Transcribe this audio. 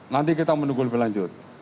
nanti kita menunggu lebih lanjut